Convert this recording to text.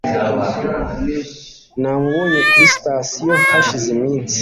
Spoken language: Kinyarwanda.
Namubonye kuri sitasiyo hashize iminsi.